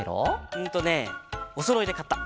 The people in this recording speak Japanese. うんとねおそろいでかった。